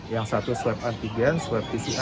yang satu swab antigen swab pcr